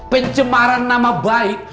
pencemaran nama baik